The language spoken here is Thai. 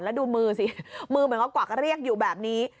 แล้วดูมือสิมือเหมือนเขากวักเรียกอยู่แบบนี้